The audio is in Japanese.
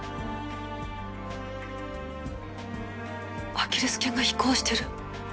アキレス腱が肥厚してる。